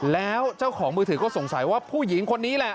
แล้วเจ้าของมือถือก็สงสัยว่าผู้หญิงคนนี้แหละ